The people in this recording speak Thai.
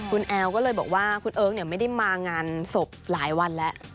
คุณแอลก็เลยบอกว่าคุณเอิ๊กไม่ได้มางานศพหลายวันแล้ว